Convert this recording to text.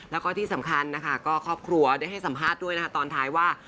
แล้วก็ที่สำคัญนะคะก็ครอบครัวได้ให้สัมภาษณ์ด้วยนะคะตอนท้ายว่า